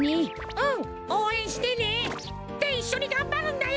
うんおうえんしてね。っていっしょにがんばるんだよ！